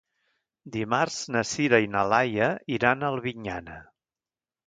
Dimarts na Sira i na Laia iran a Albinyana.